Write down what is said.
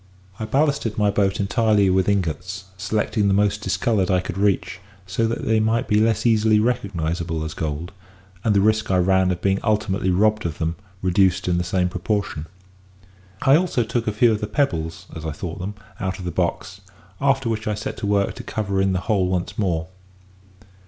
"I ballasted my boat entirely with ingots; selecting the most discoloured I could reach, so that they might be less easily recognisable as gold, and the risk I ran of being ultimately robbed of them reduced in the same proportion. I also took a few of the pebbles (as I thought them) out of the box; after which I set to work to cover in the whole once more.